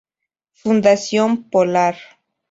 Fundación Polar.